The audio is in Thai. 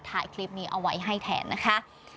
ถ่ายคลิปนี้เอาไว้ให้แทนนะคะ